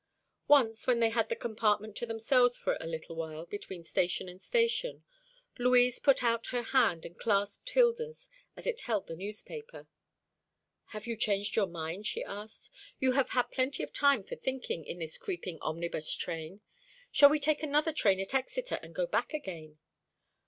Once, when they had the compartment to themselves for a little while, between station and station, Louise put out her hand and clasped Hilda's as it held the newspaper. "Have you changed your mind?" she asked; "you have had plenty of time for thinking in this creeping omnibus train. Shall we take another train at Exeter, and go back again?"